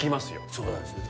そうなんですよ。